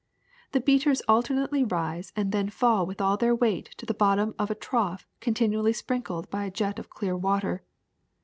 The beaters alternately rise and then fall with all their weight to the bottom of a trough continually sprinkled by a jet of clear water.